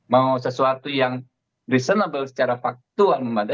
mau sesuatu yang reasonable secara faktual memadai